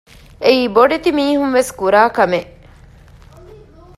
އެއީ ބޮޑެތި މީހުންވެސް ކުރާ ކަމެއް